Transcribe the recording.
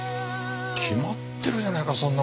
決まってるじゃないかそんな事。